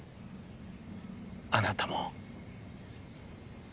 あなたも。